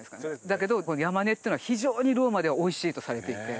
だけどヤマネっていうのは非常にローマではおいしいとされていて。